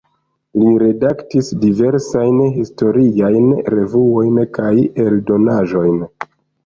Li redaktis diversajn historiajn revuojn kaj eldonaĵojn.